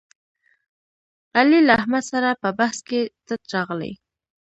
علي له احمد سره په بحث کې تت راغلی.